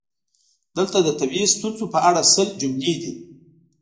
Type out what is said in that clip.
دلته د طبیعي ستونزو په اړه سل جملې دي: